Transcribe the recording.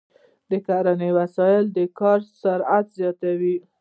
د کرنې وسایل د کاري سرعت زیاتوي.